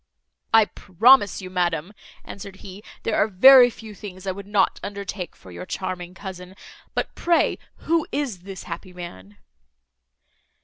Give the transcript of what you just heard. "I promise you, madam," answered he, "there are very few things I would not undertake for your charming cousin; but pray, who is this happy man?"